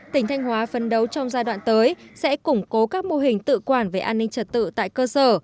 tỉnh thanh hóa phân đấu trong giai đoạn tới sẽ củng cố các mô hình tự quản về an ninh trật tự tại cơ sở